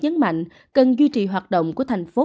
nhấn mạnh cần duy trì hoạt động của thành phố